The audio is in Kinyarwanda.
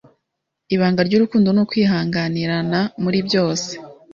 Ibanga ryurukundo nukwihangirana muribyose